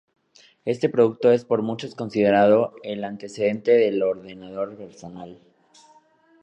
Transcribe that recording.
Este producto es por muchos considerado el antecedente del ordenador personal.